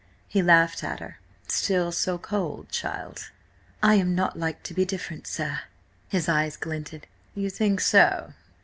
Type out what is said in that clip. He laughed at her. "Still so cold, child?" "I am not like to be different, sir." His eyes glinted. "You think so?